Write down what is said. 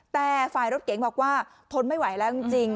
แต่ฝ่ายรถเก๋งบอกว่าทนไม่ไหวแล้วจริง